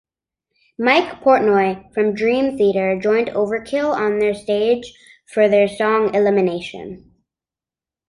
Mike Portnoy from Dream Theater joined Overkill on stage for their song "Elimination".